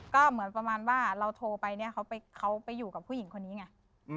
ก็เหมือนประมาณว่าเราโทรไปเนี่ยเขาไปอยู่กับผู้หญิงคนนี้ไง